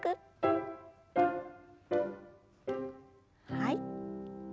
はい。